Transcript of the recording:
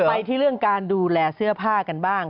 ไปที่เรื่องการดูแลเสื้อผ้ากันบ้าง